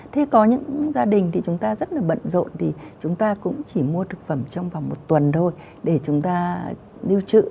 thế có những gia đình thì chúng ta rất là bận rộn thì chúng ta cũng chỉ mua thực phẩm trong vòng một tuần thôi để chúng ta lưu trữ